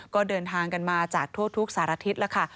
ก็เดินทางกันมาจากทั่วทุกสารทิศแล้วค่ะ